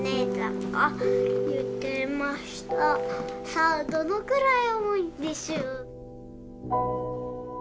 さあどのくらい重いんでしょう？